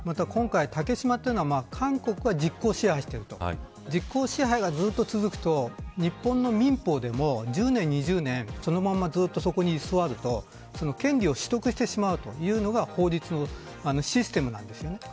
また今回、竹島というのは韓国が実効支配していると。実効支配がずっと続くと日本の民放でも１０年、２０年そのままずっとそこに居座ると権利を取得してしまうというのが法律のシステムなんですよね。